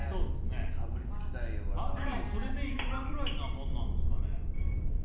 それでいくらくらいなもんなんですかね？